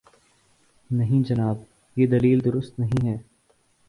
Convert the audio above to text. نہیں جناب، یہ دلیل درست نہیں ہے۔